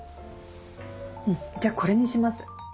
うんじゃあこれにします。